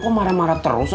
kok marah marah terus